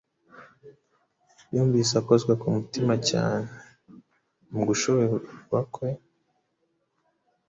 Yumvise akozwe ku mutima cyane. Mu gushoberwa kwe,